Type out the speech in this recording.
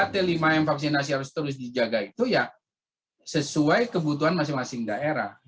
tiga t lima m vaksinasi harus terus dijaga itu ya sesuai kebutuhan masing masing daerah